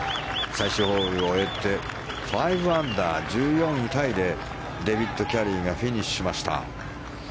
最終ホールを終えて５アンダー、１４位タイでデビッド・キャリーがフィニッシュしました。